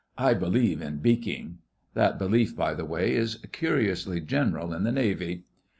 I believe in beaking.' (That belief, by the way, is curiously general in the Navy.)